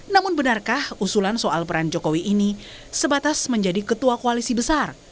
namun benarkah usulan soal peran jokowi ini sebatas menjadi ketua koalisi besar